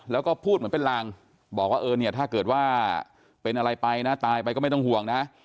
แล้วก็พูดเหมือนเป็นลางบอกว่าเออเนี่ยถ้าเกิดว่าเป็นอะไรไปนะตายไปก็ไม่ต้องห่วงนะ